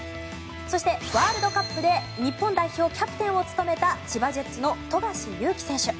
そして、ワールドカップで日本代表キャプテンを務めた千葉ジェッツの富樫勇樹選手。